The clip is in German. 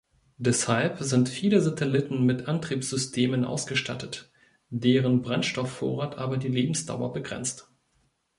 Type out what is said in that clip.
Deshalb sind viele Satelliten mit Antriebssystemen ausgestattet, deren Brennstoffvorrat aber die Lebensdauer begrenzt.